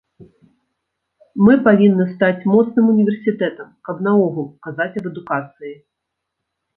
Мы павінны стаць моцным універсітэтам, каб наогул казаць аб адукацыі.